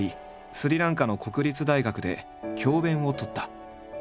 スリランカの国立大学で教鞭を執った。